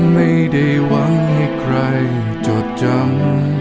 ไม่ได้หวังให้ใครจดจำ